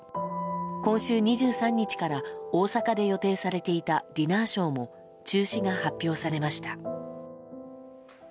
今週２３日から大阪で予定されていたディナーショーも中止が発表されました。